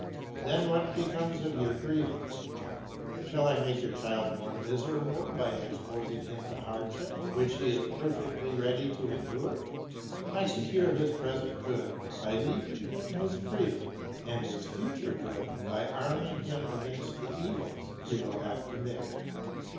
Then what becomes of your grievance? Shall I make your child miserable by exposing him to hardships which he is perfectly ready to endure? I secure his present good by leaving him his freedom, and his future good by arming him against the evils he will have to bear.